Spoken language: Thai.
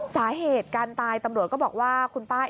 สาเหตุการตายตำรวจก็บอกว่าคุณป้า